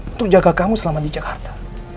untuk jaga kamu selama di jakarta